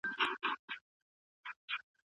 زما یې له محفل سره یوه شپه را لیکلې ده